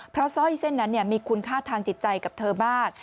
เพราะสร้อยเส้นนั้นมีคุณค่าทางจิตใจกับเธอมาก